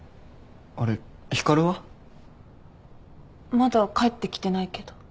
まだ帰ってきてないけど。